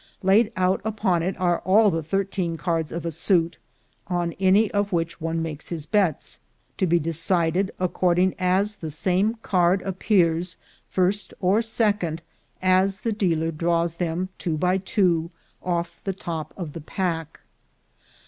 Laid out upon it are all the thirteen cards of a suit, on any of which one makes his bets, to be decided according as the same card appears first or second as the dealer draws them two by two off the top of the pack.